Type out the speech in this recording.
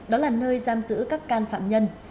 đó là nơi giam giữ các can phạm nhân